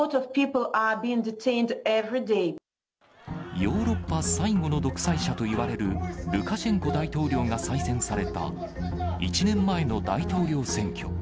ヨーロッパ最後の独裁者といわれるルカシェンコ大統領が再選された、１年前の大統領選挙。